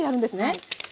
はい。